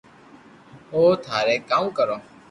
ھون ٿاري ڪاو ڪرو